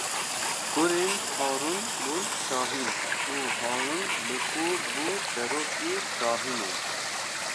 Kurên Harûn bûn kahîn û Harûn bi xwe bû serokê kahînan.